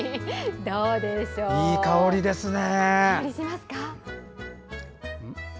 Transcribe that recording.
いい香りですね！